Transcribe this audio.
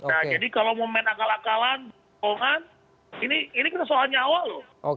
nah jadi kalau mau main akal akalan bohongan ini kan soal nyawa loh